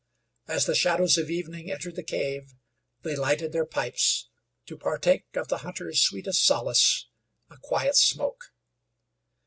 As the shadows of evening entered the cave, they lighted their pipes to partake of the hunter's sweetest solace, a quiet smoke.